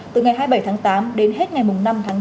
từ ngày hai mươi bảy tháng tám đến hết ngày năm tháng tám